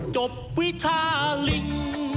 จบวิชาลิง